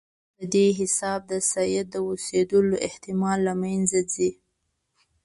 په دې حساب د سید د اوسېدلو احتمال له منځه ځي.